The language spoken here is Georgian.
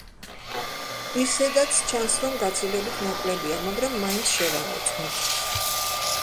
ისედაც ჩანს, რომ გაცილებით ნაკლებია, მაგრამ მაინც შევამოწმოთ.